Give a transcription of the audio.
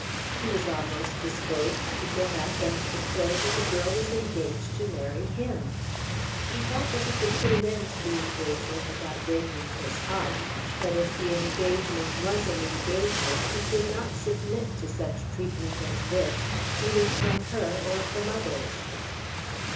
He was almost disposed to get up and declare that the girl was engaged to marry him. He thought that he could put an end to the engagement without breaking his heart; but if the engagement was an engagement he could not submit to treatment such as this, either from her or from others.